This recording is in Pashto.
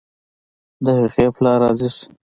د هغې پلار راضي شو.